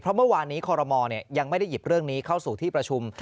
เพราะเมื่อวานนี้คอรมอลยังไม่ได้หยิบเรื่องนี้เข้าสู่ที่ประชุม